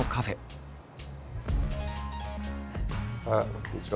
こんにちは！